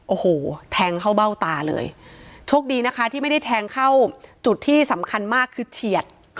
โอ้โหแทงเข้าเบ้าตาเลยโชคดีนะคะที่ไม่ได้แทงเข้าจุดที่สำคัญมากคือเฉียด